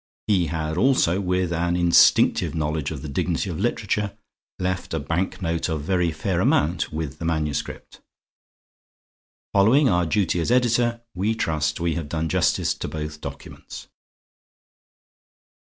He had also, with an instinctive knowledge of the dignity of literature, left a bank note of very fair amount with the manuscript. Following our duty as editor, we trust we have done justice to both documents.